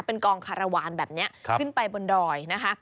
เป็นกองคารวาลแบบนี้ขึ้นไปบนดอยนะคะ